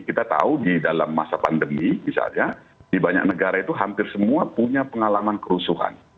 kita tahu di dalam masa pandemi misalnya di banyak negara itu hampir semua punya pengalaman kerusuhan